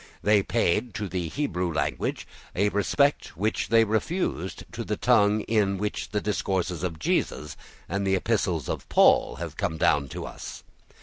They paid to the Hebrew language a respect which they refused to that tongue in which the discourses of Jesus and the epistles of Paul have come down to us.